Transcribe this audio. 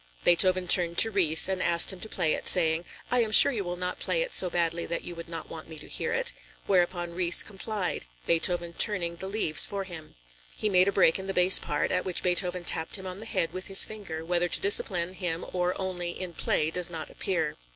Beethoven turned to Ries and asked him to play it, saying: "I am sure you will not play it so badly that you would not want me to hear it," whereupon Ries complied, Beethoven turning the leaves for him. He made a break in the bass part, at which Beethoven tapped him on the head with his finger, whether to discipline him or only in play does not appear.